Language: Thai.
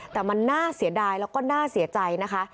แต่มันน่าเสียดายแล้วก็น่าเสียใจนะคะ